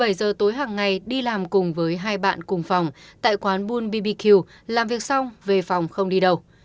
một mươi bảy h tối hằng ngày đi làm cùng với hai bạn cùng phòng tại quán bun bbq làm việc xong về phòng không đi đâu